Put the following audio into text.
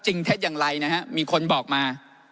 เท็จอย่างไรนะฮะมีคนบอกมา